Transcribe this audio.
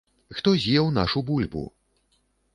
Хто з'еў нашу бульбу?